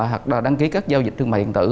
hoặc là đăng ký các giao dịch thương mại điện tử